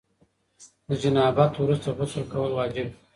له جنابت وروسته غسل کول واجب دي.